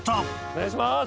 お願いします。